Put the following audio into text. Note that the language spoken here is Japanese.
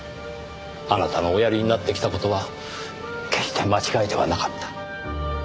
あなたのおやりになってきた事は決して間違いではなかった。